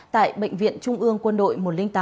tại bệnh viện trung ương quân đội một trăm linh tám